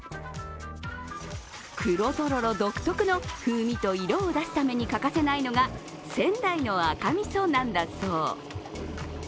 黒とろろ独特の風味と色を出すために欠かせないのが仙台の赤みそなんだそう。